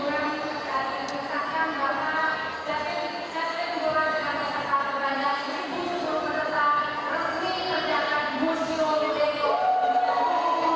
seribu musuh peserta resmi menjaga musuh jadinya